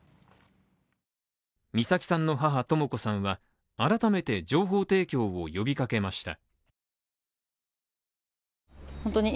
美咲さんの母・とも子さんさんは改めて情報提供を呼びかけました。